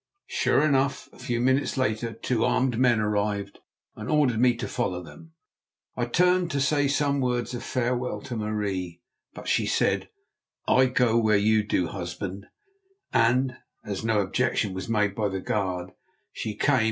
Sure enough, a few minutes later two armed men arrived and ordered me to follow them. I turned to say some words of farewell to Marie, but she said: "I go where you do, husband," and, as no objection was made by the guard, she came.